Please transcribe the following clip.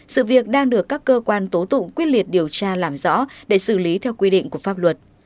sự việc đang được các cơ quan tố tụng quyết liệt điều tra làm rõ để xử lý theo quy định của pháp luật